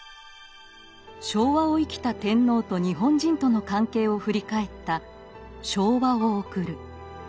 昭和を生きた天皇と日本人との関係を振り返った「『昭和』を送る」。